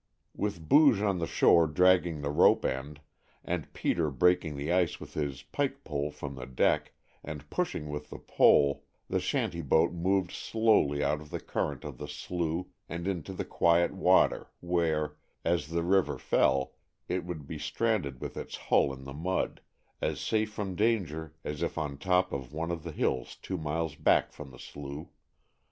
With Booge on the shore dragging at the rope end, and Peter breaking the ice with his pike pole from the deck, and pushing with the pole, the shanty boat moved slowly out of the current of the slough and into the quiet water where, as the river fell, it would be stranded with its hull in the mud, as safe from danger as if on top of one of the hills two miles back from the slough.